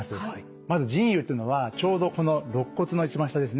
まず腎兪というのはちょうどこのろっ骨の一番下ですね。